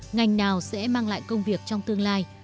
ngành nào sẽ mang lại công việc trong tương lai